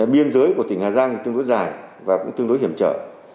biên giới của tỉnh hà giang tương đối dài và cũng tương đối hiểm trở